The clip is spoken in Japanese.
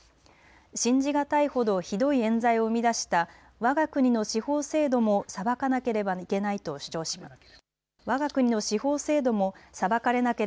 信じがたいほどひどいえん罪を生み出したわが国の司法制度も裁かなければいけないと主張しました。